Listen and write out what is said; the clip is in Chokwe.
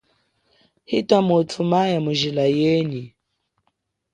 Ita muthu maya mujila yenyi.